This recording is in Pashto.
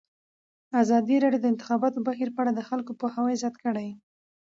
ازادي راډیو د د انتخاباتو بهیر په اړه د خلکو پوهاوی زیات کړی.